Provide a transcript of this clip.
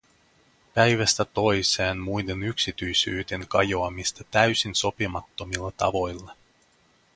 Päivästä toiseen muiden yksityisyyteen kajoamista täysin sopimattomilla tavoilla.